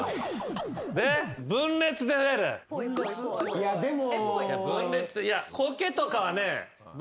いやでも。